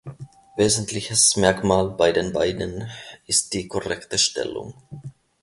Wesentliches Merkmal bei den Beinen ist die korrekte Stellung.